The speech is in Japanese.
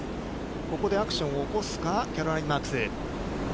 ここでアクションを起こすか、キャロライン・マークス。